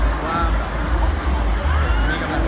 ก็ไม่ถูกไปแล้ว